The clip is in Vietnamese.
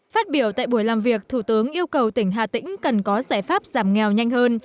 phát biểu tại buổi làm việc thủ tướng yêu cầu tỉnh hà tĩnh cần có giải pháp giảm nghèo nhanh hơn